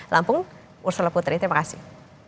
lampung ursola putri terima kasih